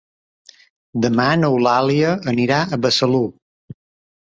Demà n'Eulàlia anirà a Besalú.